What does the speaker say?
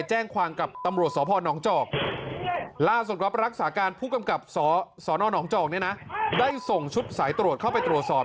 แจ้งความกับตำรวจสพนจอกล่าสุดครับรักษาการผู้กำกับสนหนองจอกเนี่ยนะได้ส่งชุดสายตรวจเข้าไปตรวจสอบ